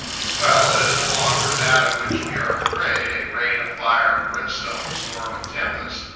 Well, it is no longer that of which we are afraid, a rain of fire and brimstone, storm and tempest!